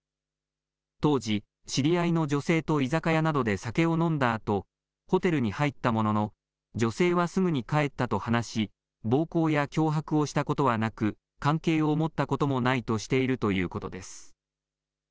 当時、知り合いの女性と居酒屋などで酒を飲んだあとホテルに入ったものの女性はすぐに帰ったと話し暴行や脅迫をしたことはなく関係を持ったこともないとしているということです。